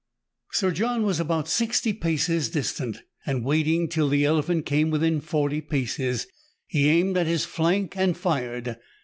Sir John was about sixty paces distant ; and waiting till the elephant came within forty paces, he aimed at his flank and fired.